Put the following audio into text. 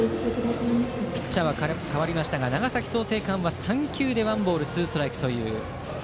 ピッチャーは代わりましたが長崎・創成館は３球でワンボールツーストライク。